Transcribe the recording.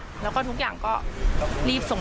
เพราะว่าทุกคนเด็กอยู่สี่คน